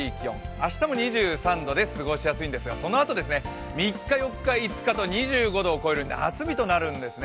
明日も２３度で過ごしやすいんですがそのあと３日、４日、５日と２５度を超える夏日となるんですね。